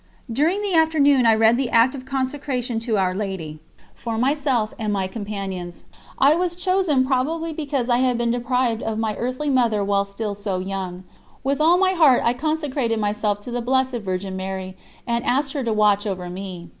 During the afternoon I read the act of consecration to Our Lady, for myself and my companions. I was chosen probably because I had been deprived of my earthly Mother while still so young. With all my heart I consecrated myself to the Blessed Virgin Mary, and asked her to watch over me.